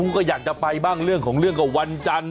ก็อยากจะไปบ้างเรื่องของเรื่องกับวันจันทร์